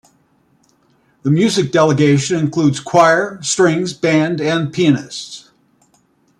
The music delegation includes choir, strings, band and pianists.